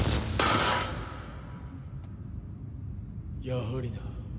やはりな。